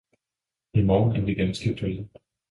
i morgen er vi ganske døde.